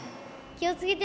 気を付けて。